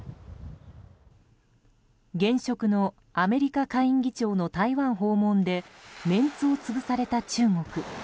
現職のアメリカ下院議長の台湾訪問でメンツを潰された中国。